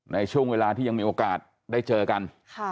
ในช่วงเวลาที่ยังมีโอกาสได้เจอกัน